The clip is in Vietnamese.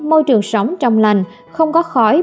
môi trường sống trong lành không có khói